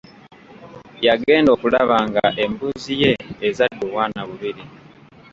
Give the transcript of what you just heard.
Yagenda okulaba nga embuzi ye ezadde obwana bubiri.